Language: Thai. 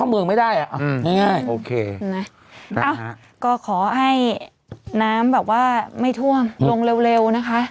เอาก็ขอให้น้ำไม่ท่วมลงเร็วนะคะ